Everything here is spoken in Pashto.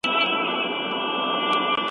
ما وېل ويشتلی به مې نه وي